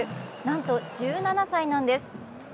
なんと１７歳なんです。